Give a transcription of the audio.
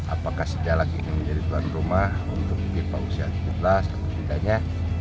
apakah sejalak ini menjadi tuan rumah untuk fifa usia tujuh belas atau tidaknya